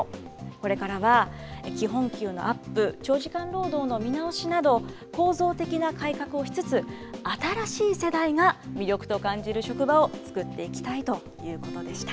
これからは基本給のアップ、長時間労働の見直しなど、構造的な改革をしつつ、新しい世代が魅力と感じる職場を作っていきたいということでした。